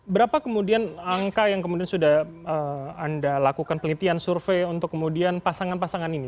berapa kemudian angka yang kemudian sudah anda lakukan penelitian survei untuk kemudian pasangan pasangan ini